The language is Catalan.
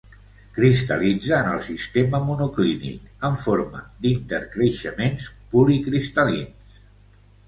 Cristal·litza en el sistema monoclínic en forma d'intercreixements policristal·lins.